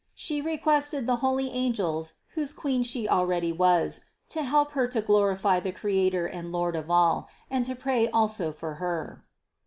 She requested the holy angels whose Queen She already was, to help Her to glorify the Creator and Lord of all, and to pray also for Her.